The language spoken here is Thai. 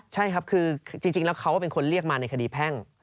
ใช่ครับคือจริงแล้วเขาเป็นคนเรียกมาในคดีแพ่ง